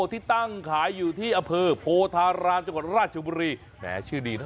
ที่ตั้งขายอยู่ที่อำเภอโพธารามจังหวัดราชบุรีแหมชื่อดีนะ